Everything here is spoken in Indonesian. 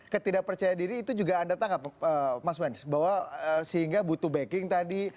ketidak percaya diri itu juga anda tangkap mas wens bahwa sehingga butuh backing tadi